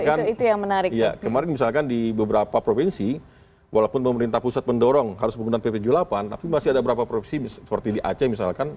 karena kemarin misalkan di beberapa provinsi walaupun pemerintah pusat mendorong harus menggunakan ppjuv delapan tapi masih ada beberapa provinsi seperti di aceh misalkan